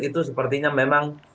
itu sepertinya memang